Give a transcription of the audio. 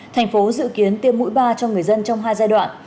thành phố dự kiến tiêm mũi ba cho người dân trong hai giai đoạn